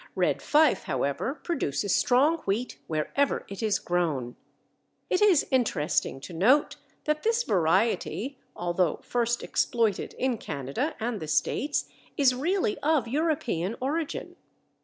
Red Fife, however, produces strong wheat wherever it is grown. It is interesting to note that this variety although first exploited in Canada and the States is really of European origin.